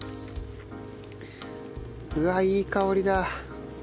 うわっいい香りだ。